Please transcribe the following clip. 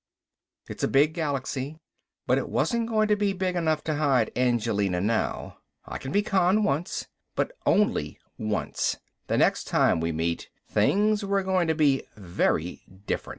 It's a big galaxy, but it wasn't going to be big enough to hide Angelina now. I can be conned once but only once. The next time we met things were going to be very different.